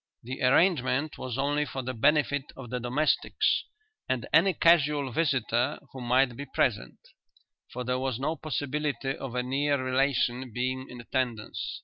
The arrangement was only for the benefit of the domestics and any casual visitor who might be present, for there was no possibility of a near relation being in attendance.